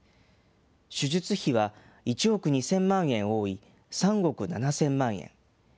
手術費は１億２０００万円多い３億７０００万円。